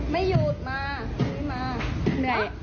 ไม่หยุดมาพรุ่งนี้มา